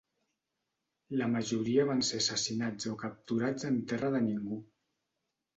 La majoria van ser assassinats o capturats en terra de ningú.